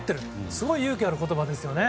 すごい勇気ある言葉ですよね。